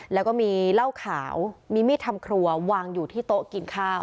แล้วก็มีเหล้าขาวมีมีดทำครัววางอยู่ที่โต๊ะกินข้าว